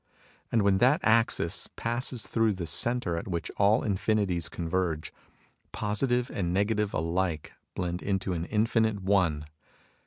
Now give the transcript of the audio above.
And when that axis passes through the centre at which all Infinities converge, positive and negative alike blend into an infinite One.